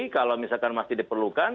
kalau misalkan masih diperlukan